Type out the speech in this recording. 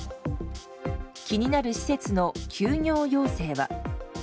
気になる施設の休業要請は。